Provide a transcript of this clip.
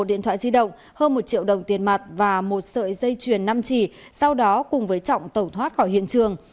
một điện thoại di động hơn một triệu đồng tiền mặt và một sợi dây chuyền năm chỉ sau đó cùng với trọng tẩu thoát khỏi hiện trường